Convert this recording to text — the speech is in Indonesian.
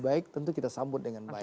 baik tentu kita sambut dengan baik